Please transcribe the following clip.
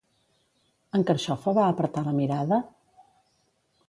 En Carxofa va apartar la mirada?